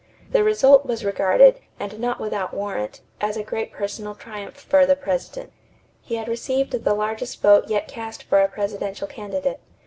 The result was regarded, and not without warrant, as a great personal triumph for the President. He had received the largest vote yet cast for a presidential candidate.